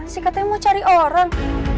si katanya mau cari orang